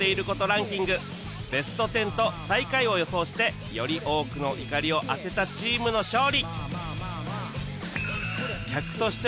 ベスト１０と最下位を予想してより多くの怒りを当てたチームの勝利！